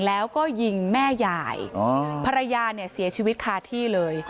แล้วก็ยิงแม่ยายภรรยาเนี่ยเสียชีวิตคาที่เลย